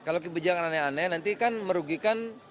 kalau kebijakan aneh aneh nanti kan merugikan